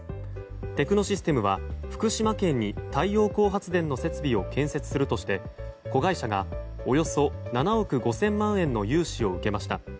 テクノシステムは福島県に太陽光発電の設備を建設するとして子会社がおよそ７億５０００万円の融資を受けました。